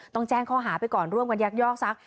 ต้องแจ้งข้อหาไปก่อนร่วมกันยักยอกซัก